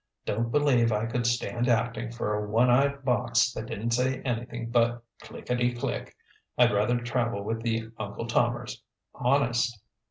Don't believe I could stand acting for a one eyed box that didn't say anything but 'clickety click.' I'd rather travel with the Uncle Tommers honest'."